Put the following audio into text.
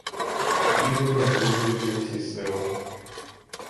Бігли, напружуючи всі сили.